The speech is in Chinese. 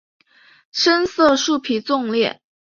深色树皮纵裂。